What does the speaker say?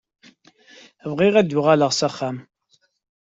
Bɣiɣ ad uɣaleɣ s axxam.